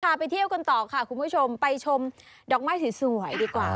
ไปเที่ยวกันต่อค่ะคุณผู้ชมไปชมดอกไม้สวยดีกว่า